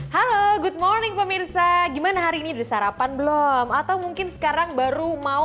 halo good morning pemirsa gimana hari ini udah sarapan belum atau mungkin sekarang baru mau